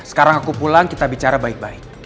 sekarang aku pulang kita bicara baik baik